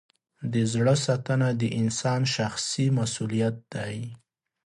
د زړه ساتنه د انسان شخصي مسؤلیت دی.